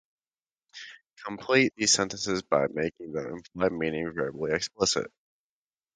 Complete these sentences by making the implied meaning verbally explicit.